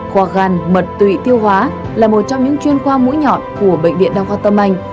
khoa gan mật tụy tiêu hóa là một trong những chuyên khoa mũi nhọn của bệnh viện đa khoa tâm anh